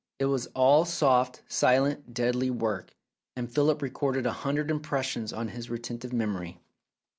It was all soft, silent, deadly work, and Philip recorded a hundred impres sions on his retentive memory.